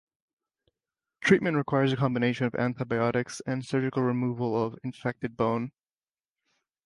Treatment requires a combination of antibiotics and surgical removal of infected bone.